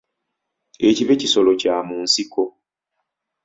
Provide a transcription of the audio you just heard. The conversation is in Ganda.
Ekibe kisolo kya mu nsiko.